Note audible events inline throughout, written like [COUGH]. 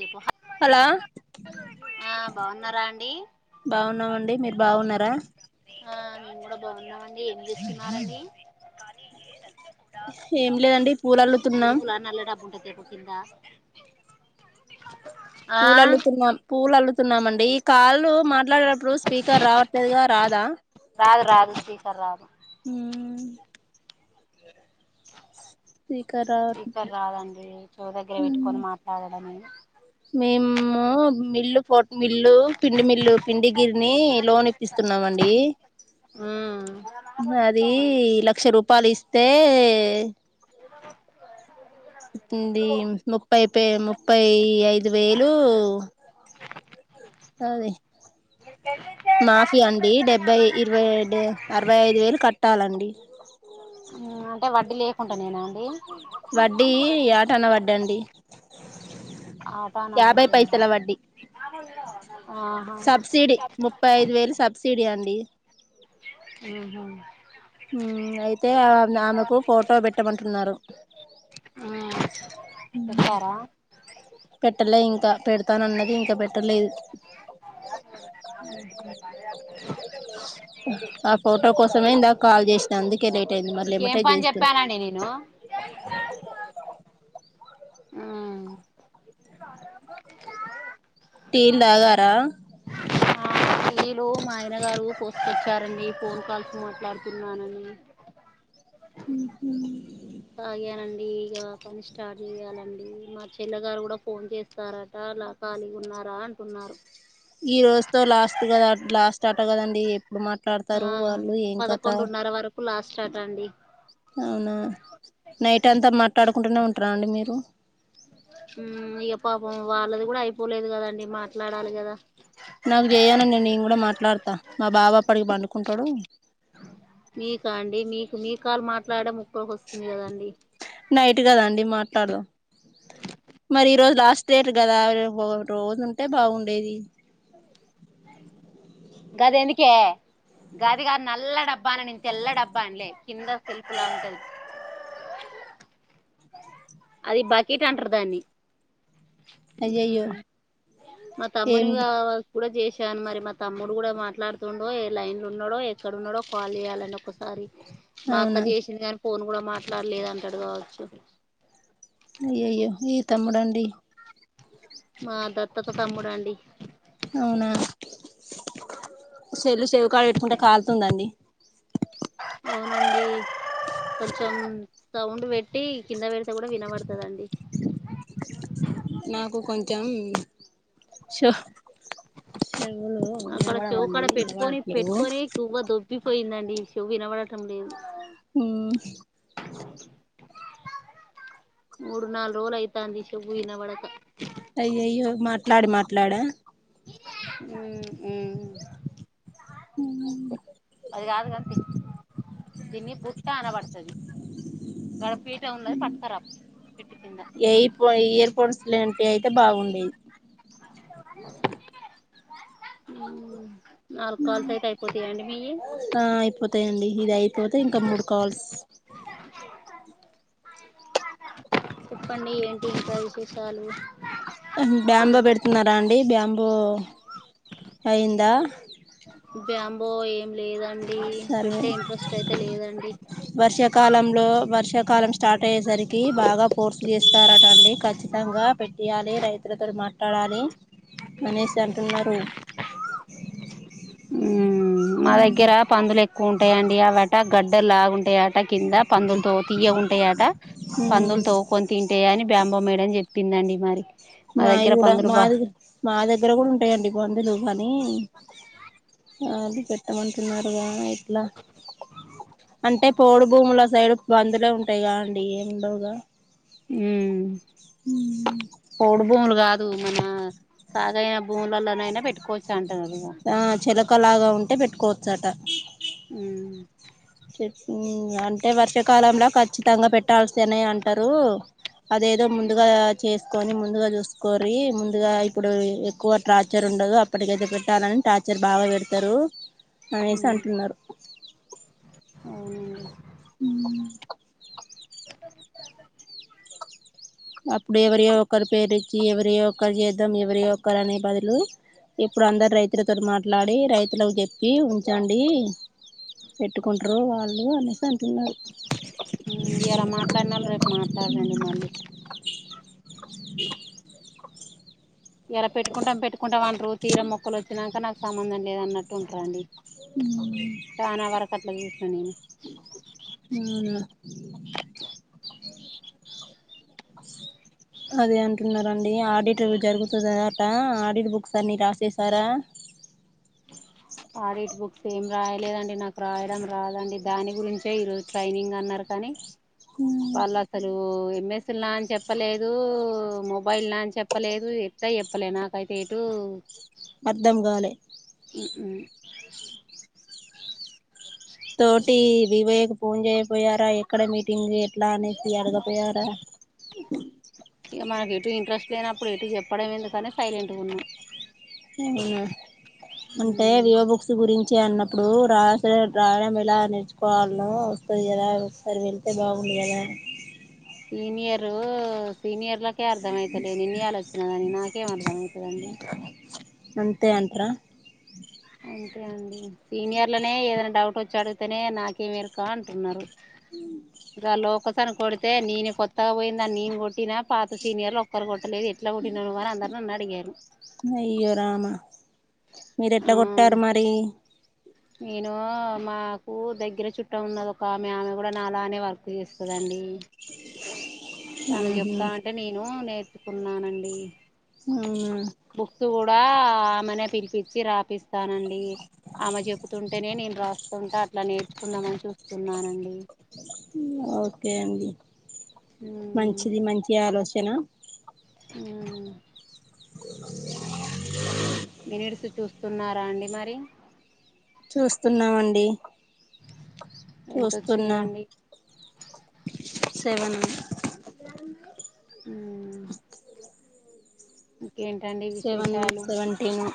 చెప్పు హలో ఆ బాగున్నారా అండి బాగున్నామండి. మీరు బాగున్నారా. ఆ మేము కూడా బాగుందమండి. ఏం చేస్తున్నారండి ఏం లేదండి పూలల్లుతున్నాం. ము కింద ఆ పూలల్లుతున్నాం. పూల అల్ తున్నామండి ఈ కాళ్ళు మాట మాట్లాడేటప్పుడు స్పీకర్ రావట్లేదు గా రాధ రాదు రాదు స్పీకర్ రాదు హు అ స్పీకర్ రావ స్పీకర్ రాదండి చెవు దగ్గర పెట్టుకొని మాట్లాడడమే మేము మిల్లు పోట్ మిల్లు పిండి మిల్లు పిండిగిరిని లోన్ ఇప్పిస్తున్నామండి ఉమ్ అది లక్ష రూపా పలిస్తే [UNINTELLIGIBLE] డి ముప్పై పె ముప్పై ఐదు వేయిలు అది మీ కేళి మాఫి అండి డెబ్బై ఇరవై అరవై ఐదు వేయిలు కట్టాలండి అ అంటే వడ్డీ లేకుండ నేనా అండి వడ్డీ యాటన వడ్డీ అండి [INAUDIBLE] ఆటాన యాభై వడ్డీ పైసల వడ్డీ అహ సబ్సిడీ ముప్పై ఐదు వేలు సబ్సిడీ అండి ఆహా హు అయితే ఆమెకు ఫోటో పెట్టమంటున్నారు ఉమ్ హు చెప్పారా పెట్టలే ఇంకా పెడతాను అన్నది ఇంకా పెట్టలేదు ఆ ఫోటో కోసమే ఇందాక కాల్ చేసిన అందుకే లే మీకు ఏం పని చెప్పానండి నేను ఉమ్ టీ లు తాగారా టీ లు మా ఆయన గారు పోసుకొచ్చారండి ఫోన్ కాల్స్ మాట్లాడుతున్నానని ఉహూ తాగానండి ఇగా పని స్టార్ట్ చేయాలండి మా చెల్ల గారు కూడా ఫోన్ చేస్తారట అలా ఖాళీగా ఉన్నారా అంటున్నారు ఈ రోజుతో లాస్ట్ కదా ల లాస్ట్ ఆట కదండి ఇప్పుడు ఆ మాట్లాడతారు వాళ్ళు ఏం కథ పదకొండున్నర వరకు లాస్ట్ అట అండి అవునా నైట్ అంతా మాట్లాడుకుంటూనే ఉంటారా అండి మీరు హు ఇగా పాపం వాళ్ళది కూడా అయిపోలేదు కదండి మాట్లాడాలి కదా నాకు చెయను నేను కూడా మాట్లాడతా మా బాబా అప్పడికి పండుకుంటాడు మీకా అండి మీకు మీ కాల్ మాట్లాడం నైట్ కదాండి మా మాట్లాడదాం మరి ఈ రోజు లాస్ట్ డేట్ కదా రేపు రోజు ఉంటే బాగుండేది గది ఎందుకే గది గాద్ నల్ల డబ్బా అన్న నేన్ తెల్ల డబ్బా అనలే కింద సెల్ఫ్ లా ఉంటది అది బకెట్ అంటారు దాన్ని అయ్యయ్యో మా ఏం తమ్మునివి గావ కూడా చేసాను మరి మా తమ్ముడు కూడా మాట్లాడుతుండో, ఏ లైన్ లో ఉన్నాడో, ఎక్కడ ఉన్నాడో, కాల్ చేయాలండి ఒకసారి. మా అవునా అక్క చేసిందిగాను ఫోన్ కూడా మాట్లాడలేదు అంటాడు కావచ్చు అయ్యయ్యో నీ తమ్ముడా అండి మా దత్తత తమ్ముడండి అవునా సెల్లు చెవ్ కాడ్ పెట్టుకుంటే కాల్తుందండి అవునండి కొంచెం సౌండ్ పెట్టి, కింద పెడితే కూడా వినబడుతదండి. నాకు కొంచెం షో చెవులు అక్కడ చెవ్ వినబడవండి కాడ పెట్టుకొని, వినబడట్లేవు పెట్టుకొని గువ్వ దోబ్బిపోయిందన్. డి షేవ్ వినబడ టం లేదు ఉమ్ మూడు, నాలుగు రోజలు అయితాంది చెవు వినబడక. అయ్యయ్యో మాట్లాడి మాట్లాడా అ ఉ అది కాదు కప్పి దిని బుట్ట అన పడుతుది చెట్టు కింద ఎపో ఇయర్ ఫోన్స్ టివి అయితే బాగుండేది అ నాలుగు కాల్స్ అయితే అయిపోతాయా అండి మీవి ఆ అయిపోతాయండి ఇది అయిపోతే ఇంకా మూడు కాల్స్ చెప్పండి ఏంటి టైచే చాలు బ్యాంబో పెడుతున్నారా అండి బ్యాంబో బో అయింద బ్యాంబో ఏం లేదండి సర్వే పెట్టే ఇంట్రెస్ట్ అయితే లేదండి కాల స్టార్ట్ ట్టయేసరికి బాగా పోర్ చేస్తారటండి ఖచ్చితంగా పెట్యాలి రైతులతో మాట్లాడాలి అనేసి అంటున్నారు ఆ మా దగ్గర పందులు ఎక్కువ ఉంటాయిండి ఆ గడ్డలాగుంటయాట కింద పందులుతో తీయగ్ ఉంటాయట పందులు తోవ్కొని తింటేయని ప్యాంబో మేడమ్ జేప్పిందండి మరి మా మాయి దగ్గర గూడా పందులు బా మాదిగు మా దెగ్గర గుడుంటాయండి పందులు కానీ అది పెట్ ట మంటున్నారుగా ఇట్లా అంటే పోడు భూముల సైడ్ బందులే ఉంటాయి గా అండి ఏం ఉండవ్గా హ్మ్ పోడు భూములు గాద్ దు మన సాగైన భూములలనైనా పెట్కో ఆ చెలకలాగా ఉంటే పెట్టుకో చటా ఉ ఉ అంటే వర్షాకాలంల కఖచ్చితంగా పెట్టాల్సనే అంటారు అదేదో ముందుగా చేస్ కొని ముందుగా జుసుకోరి. ముందుగా ఇప్పుడు ఎక్కువ ట్రార్చరూండదు. అప్పటికైతే పెట్టాలని టార్చర్ బాగా పెడతారు అనేసి అవునండి అంటున్నారు ఉ అప్పుడు ఎవరియో ఒకరు పేరిచ్చి, ఎవరియో ఒకరు జేద్ధం. ఎవరియో ఒకరు అనే బదులు ఇప్పుడు అందర్ రైతులతోన్ మాట్లాడి రైతులకు జెప్పి ఉంచండి. పెట్టుకుంట్రూ వాళ్ళు అనేసి అంట్ ఉ ఇయాల మాట్లనోల్ రేపు మాట్లాడంరండి మళ్ళీ ఇయాలా పెట్టుకుంటాం పెట్టుకుంటాం అంట్రూ తీర మొక్కలు వచ్చినాంకా నాక్ సంబందం లేదన్నట్టు ఉంట్రాండీ చూసిన నేను ఉ అదే అంటున్నారండ్ డి ఆడిటార్ జరుగుతది ఆట ఆడిట్ బుక్స్ అన్ని రాసేసారా సేం రాయలేదండి. నాకు రాయడం రాదండి దాని గురించే ఈరోజు ట్రైనింగ్ అన్నారు కానీ వల్లసలు బు ఎంఎస్లా అని చెప్పలేదు. మొబైల్లా అని చెప్పలేదు ఎట్ట ఎప్పలేదు నాకైతే ఎటు అర్ధం కాలే అ తోటి వివేక్ ఫోన్ జెయక్పోయారా ఎక్కడ మీటింగ్ ఎట్లా అనే ది అడగ పోయరా ఇగ మాక్ ఎటు ఇంట్రెస్ట్ లేనప్పుడు. ఎటు జెప్పడం ఎందుకని సైలెంట్ గా ఉన్నాం అవునా అంటే వియో బుక్స్ గురించి అన్న ఇప్పుడు రాసే రాయడం ఎలా నేర్చుకోవాలో వస్తది గదా. ఒకసారి వెళ్తే బాగుండు గదా అని సీనియరు సీనియర్ లా నాకే అర్థమయితలే నిన్న ఇయాల వచ్చినదని నాకేం అర్థమయితదండి తే అంట్రా అంతే అండి సీనియర్లనే ఏదైనా డౌట్ వచ్చి అడిగితేనే నాకేమి ఎరుక అంటున్నారు. అ కొసను కొడితే నేను కొత్తగా పోయిందాన్ని నేను కొట్టినా పాత సీనియర్లు ఒక్కరు కొ లేదు ఎట్లా కొట్టినవ్ నువ్వు అని అందరు నన్ని అడిగారు అయ్యో రామా మీరు ఆ ఎట్లా కొట్టారు మరి నేను మాకు దగ్గర చుట్టం ఉన్నద ఒక ఆమె కూడా నాలానే వర్క్ చేస్తదండి తను ఊహు చెప్తా అంటే నేను నే కున్నానండి అవునా దా ఆమెనే పిలిపచ్చి రాపిస్తానండి ఆమె చెప్ తు తుంటేనే నేను రాస్తుంటా అట్లా నేర్చుకుందామని చూస్తున్నానండి ఓకే అండి మ్మ్ మంచిది మంచి ఆలోచ తెనా ఆ మినిట్స్ చూస్తున్నారా అండి మరి చూస్తున్నామండి చూస్తున్నా ఎంతొచ్చిందండి సెవెనా ఎ మ్మ్ ఇంకేంటండి సెవెను విశేషాలు సెవెంటీను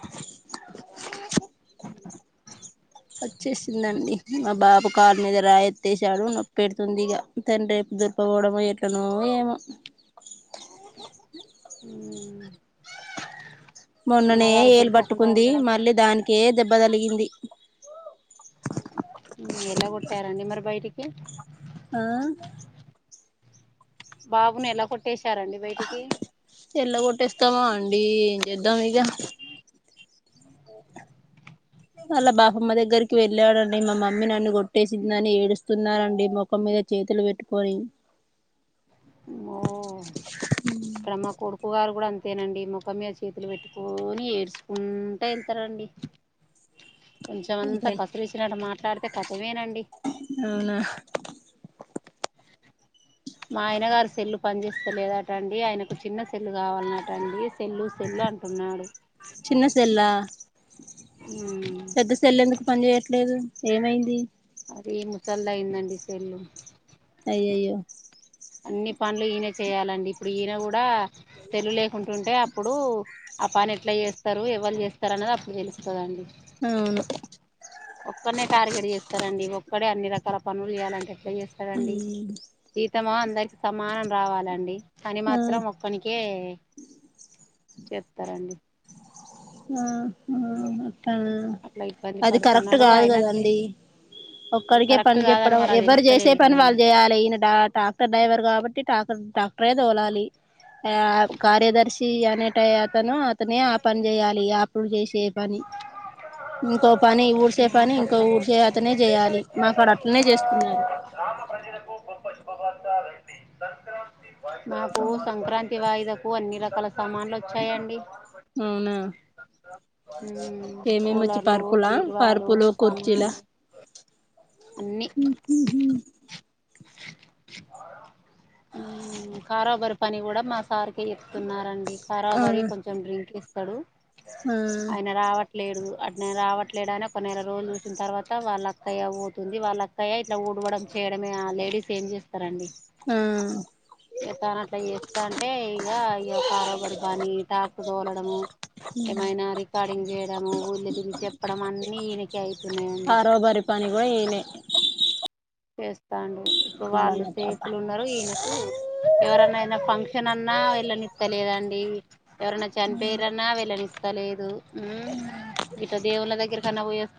వచ్చేసిందండి మా బాబు కార్ మీద రాయెత్తేసాడు నొప్పెడుతుంది ఇగ తను రేపు దొరకబోడమొ ఎట్లనో ఏమో హ్మ్ మొన్ననే ఏలు పట్టుకుంది మళ్ళీ దానికే దెబ్బ తలిగింది హ్మ్ ఎల్లగొట్టారా అండి మరి బయటికి ఆ బాబును ఎలకొట్టేస్ ఎల్లగొట్టేస్తమా ండి ఎంజేద్దాం ఇగ అలా బాపమ్మ దగ్గరికి వెళ్ళాడండి మా మమ్మీ నన్ను కొట్టేసిందిని ఏడుస్తున్నారండి ముఖం మీద చేతులు పెట్టుకొని ఓ ఇక్కడ మా కొడుకు గారు కూడ అం అంతేనండి ముఖం మీద చేతులు పెట్టుకోని ఏడ్చుకుంటా వెళ్తరండి కొంచెం అంత కసిరిచ్చినట్టు మాట్ ట్లాడితే కథమేన అవునా మా ఆయన గారు సెల్లు పనిచేస్తలేదట అండి ఆయనకు చిన్న సెల్లు కావాల్నట అండి సెల్లు సెల్లు అంటున్నాడు చిన్న సెల్లా మ్మ్ పెద్ద సెల్ ఎందుకు పని చేయట్లేదు ఏమైంది అది ముసల్ దయిందండి సెల్లు అయ్యయ్యో అన్ని పనులు ఈయనే చేయాలండి ఇప్పుడు ఈయన కూడా సెల్లులే ఉంటుంటే అప్పుడూ ఆపని ఎట్ల చేస్తరు ఎవళ్ చేస్తరు అన్నది అప్పుడు తెలుస్తదండి అవును ఒక్కరినే టార్గెట్ చేస్తరండి ఒక్ ఒక్కడే అన్ని రకాల పనులు చేయాలంటే చేయస్తడండి తీ ఇస్తమో అందరికి సమానం రావాలండి పని ఆ మాత్రం ఒక్కనికే చెప్తారండి ఆ ఆ ఉ అట్లా ఇబ్బంది అది కరెక్ట్ పడుతున్నాడు గాదు అయినా కదండి ఒక్కడికే కరెక్ట్ పని కాదని చెప్పడం మరి అది ఎవరు చేసే తెలుస్తలేదు పని కదండి వాళ్ళు జేయాలే ఈయన ట్రాక్టర్ డ్రైవర్ కాబట్టి ట్రాక్టర్ ట్రాక్ ట్రే తోలాలి ఆ కార్యదర్శీ అనేటై అతను నే ఆ పని చేయాలి అప్పుడు చేసే పని ఇంకో పని ఊడ్చే పని మాకు ఇంకో అట్లా ఊడ్చే అతనే జేయాలి మాకాడ అట్లనే చేస్తున్నారు మాకు సంక్రాంతి వాయిదకు అన్నీ రకాల సమాన్లు వచ్చాయండి అవునా ఉ ఏమేమి వచ్చి కూలర్లూ, పరుపులా బీర్వాలూ, పరుపులు కుర్చీలా సామాన్లు అన్నీ ఉ కారోబరి పని కూడ మా సార్కే చెప్ తున్నారండి ఆ కారబరి కొంచెం డ్రింక్ ఇస్ తడూ ఆ ఆయన రావట్లేడు వాటి నేను రావట్లేదనే కొన్ని నెల రోజులు చూసిన తర్వాత వాళ్ళ అక్కయ్య పోతుంది వాళ్ళ అక్కయ్య ఇట్లా ఊడవడం చేయడమే ఆ లేడీస్ ఏం చేస్తారండి ఆ ఎతాన అట్లా ఏత్తాంటే ఇగ ఇఅ కరోబరి పని టాక్ తోలడము ఏమైనా రికార్డింగ్ చేయడము ఊళ్ళ తిరిగి చెప్పడం అన్ని ఈయనకే అవుతున్నాయండి ఆరో బరి పని కూడా ఈయనే ఫేస్ త్తాండు ఇప్పుడు వాళ్ళు సేపులు ఉన్నారు ఈయనకు ఎవరనయినా ఫంక్షన్ అన్నా వెళ్ళనిత్తలేదండి ఎవరన్న చనిపోయిరన్న వెళ్ళని తలేదు ఉం ఇట్ల దేవుళ్ళ దగ్గిర కన్నా వొయ్యత్తె